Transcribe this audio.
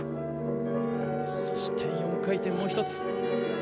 そして４回転もう一つ。